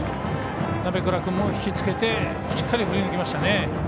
鍋倉君も引きつけてしっかり振りぬきましたね。